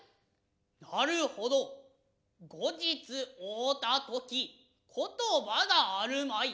なる程後日会うた時言葉があるまい。